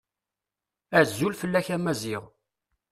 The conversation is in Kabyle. Azul fell-ak a Maziɣ.